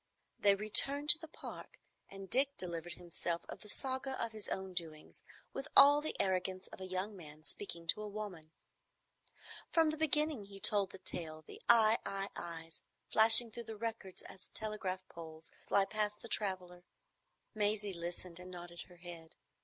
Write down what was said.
They returned to the Park, and Dick delivered himself of the saga of his own doings, with all the arrogance of a young man speaking to a woman. From the beginning he told the tale, the I—I—I's flashing through the records as telegraph poles fly past the traveller. Maisie listened and nodded her head.